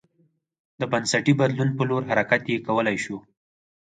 د بنسټي بدلون په لور حرکت یې کولای شو